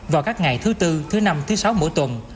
vào các ngày thứ tư thứ năm thứ sáu mỗi tuần